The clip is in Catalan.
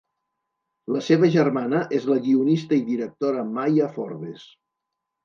La seva germana és la guionista i directora Maya Forbes.